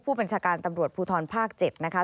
ผู้บัญชาการตำรวจภูทรภาค๗นะคะ